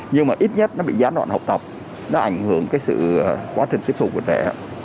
nhưng mà ít nhất nó bị gián đoạn học tập nó ảnh hưởng cái quá trình tiếp xúc của trẻ